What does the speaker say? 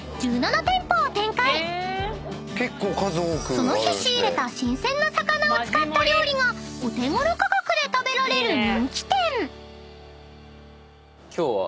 ［その日仕入れた新鮮な魚を使った料理がお手頃価格で食べられる人気店］